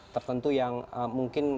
tertentu yang mungkin